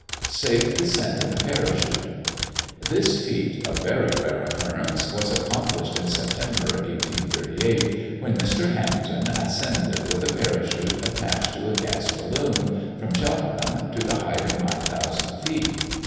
SAFE DESCENT IN A PARACHUTE. This feat, of very rare occurrence, was accomplished in September, 1838, when Mr. Hampton ascended with a parachute attached to a gas balloon, from Cheltenham, to the height of 9000 feet.